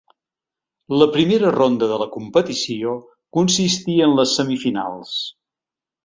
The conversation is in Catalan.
La primera ronda de la competició consistí en les semifinals.